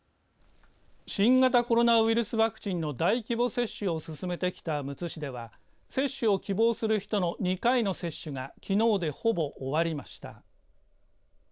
新型コロナウイルスワクチンの大規模接種を進めてきたむつ市では接種を希望する人の２回の接種がきのうでほぼ終わりました。